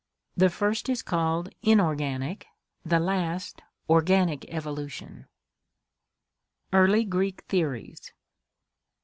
The first is called Inorganic, the last Organic Evolution. Early Greek Theories.